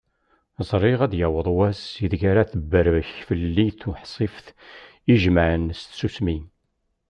Ẓriɣ ad d-yaweḍ wass i deg ara tebberbek fell-i tuḥsift i jemaɛen s tsusmi.